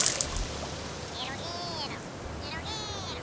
・ゲロゲロゲロゲロ。